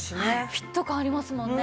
フィット感ありますもんね。